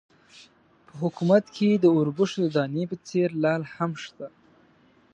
په حکومت کې د اوربشو د دانې په څېر لعل هم شته.